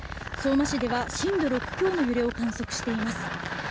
相馬市では震度６強の揺れを観測しています。